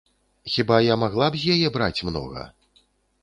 Хіба я магла б з яе браць многа?